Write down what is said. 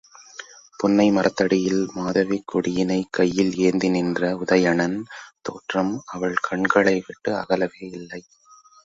புன்னை மரத்தடியில் மாதவிக் கொடியினைக் கையில் ஏந்தி நின்ற உதயணன் தோற்றம் அவள் கண்களை விட்டு அகலவே இல்லை.